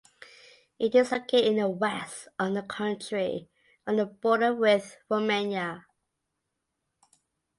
It is located in the west of the country on the border with Romania.